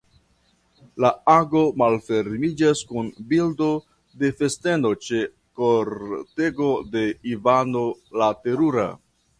La ago malfermiĝas kun bildo de festeno ĉe la kortego de Ivano la Terura.